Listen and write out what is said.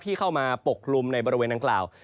ที่เข้ามาปกลุ่มในบริเวณต่างกล่าว